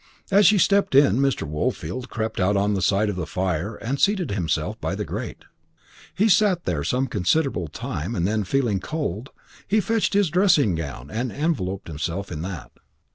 As she stepped in Mr. Woolfield crept out on the side of the fire and seated himself by the grate. He sat there some considerable time, and then, feeling cold, he fetched his dressing gown and enveloped himself in that.